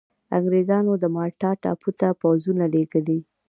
انګرېزانو د مالټا ټاپو ته پوځونه لېږلي.